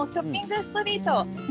ストリート